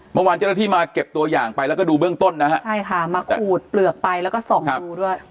เมื่อวานเจ้าหน้าที่มาเก็บตัวอย่างไปแล้วก็ดูเบื้องต้นนะฮะใช่ค่ะมาขูดเปลือกไปแล้วก็ส่องดูด้วย